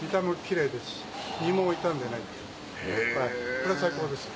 これ最高です。